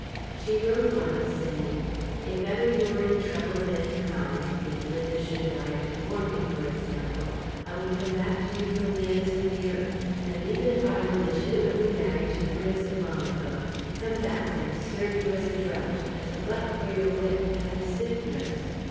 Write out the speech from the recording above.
She wrote once saying: "If ever you were in trouble of any kind; if Linda should die before me, for example, I would come back to you from the ends of the earth and even if I were legitimately married to the Prince of Monaco; come back and serve you as a drudge, as a butt for your wit, as a sick nurse.